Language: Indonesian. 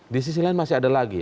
di sisi lain masih ada lagi